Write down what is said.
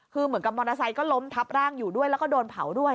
คือเหมือนกับมอเตอร์ไซค์ก็ล้มทับร่างอยู่ด้วยแล้วก็โดนเผาด้วย